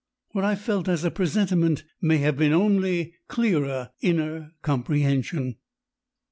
What I felt as a presentiment may have been only clearer inner comprehension."